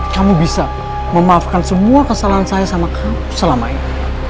kamu bisa memaafkan semua kesalahan saya sama kamu selama ini